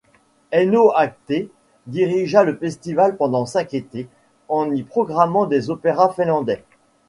Aino Ackté dirigea le festival pendant cinq étés en y programmant des opéras finlandais.